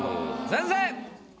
先生！